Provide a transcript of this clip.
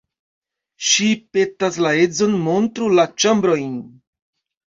Ŝi petas la edzon, montru la ĉambrojn.